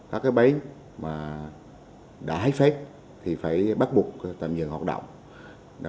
các cái bấy mà đã hãy phép thì phải bắt buộc tạm dừng hoạt động